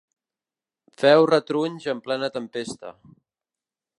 Feu retrunys en plena tempesta.